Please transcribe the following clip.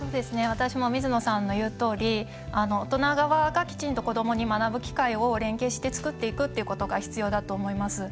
私も水野さんの言うとおり大人側がきちんと子どもに学ぶ機会を連携して作っていくことが必要だと思います。